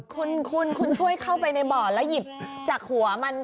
คุณคุณช่วยเข้าไปในบ่อแล้วหยิบจากหัวมัน